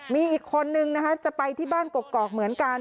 มีอีกคนนึงนะคะจะไปที่บ้านกกอกเหมือนกัน